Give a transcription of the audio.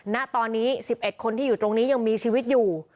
ณตอนนี้๑๑คนที่อยู่ตรงนี้ยังมีชีวิตอยู่